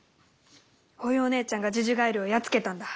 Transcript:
おようねえちゃんが呪々ガエルをやっつけたんだ。